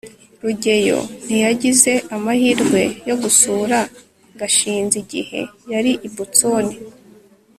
rugeyo ntiyagize amahirwe yo gusura gashinzi igihe yari i boston